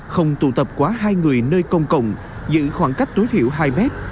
không tụ tập quá hai người nơi công cộng giữ khoảng cách tối thiểu hai mét